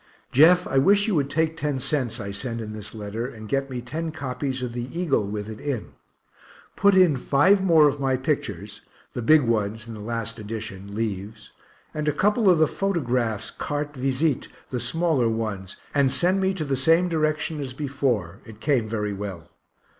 Jeff, I wish you would take 10¢ I send in this letter and get me ten copies of the Eagle with it in put in five more of my pictures (the big ones in last edition "Leaves"), and a couple of the photographs carte visites (the smaller ones), and send me to the same direction as before; it came very well.